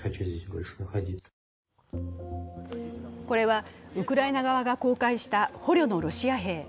これはウクライナ側が公開した捕虜のロシア兵。